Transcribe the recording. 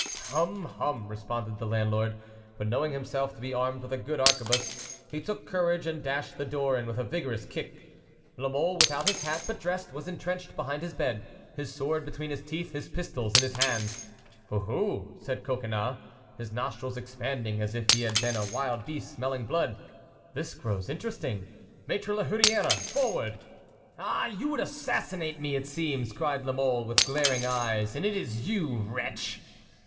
"Hum, hum!" responded the landlord, but knowing himself to be armed with a good arquebuse, he took courage and dashed the door in with a vigorous kick. La Mole, without his hat, but dressed, was entrenched behind his bed, his sword between his teeth, and his pistols in his hands. "Oho!" said Coconnas, his nostrils expanding as if he had been a wild beast smelling blood, "this grows interesting, Maître la Hurière. Forward!" "Ah, you would assassinate me, it seems!" cried La Mole, with glaring eyes; "and it is you, wretch!"